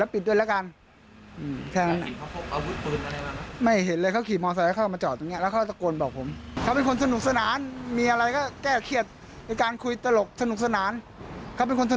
ผมไม่รู้ว่าเขาบอกมาขอใช้เครื่องมือหน่อยนึงแค่นั้นเอง